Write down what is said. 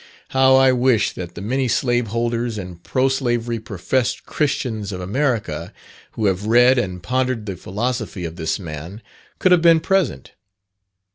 How I wished that the many slaveholders and pro slavery professed Christians of America, who have read and pondered the philosophy of this man, could have been present.